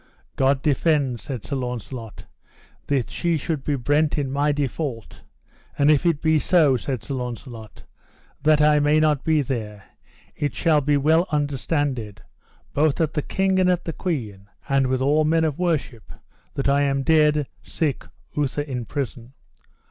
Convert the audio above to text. God defend, said Sir Launcelot, that she should be brent in my default; and if it be so, said Sir Launcelot, that I may not be there, it shall be well understanded, both at the king and at the queen, and with all men of worship, that I am dead, sick, outher in prison.